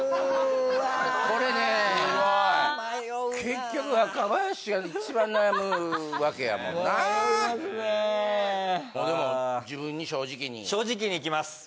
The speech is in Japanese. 結局若林が一番悩むわけやもんな迷いますねえでも自分に正直に正直にいきます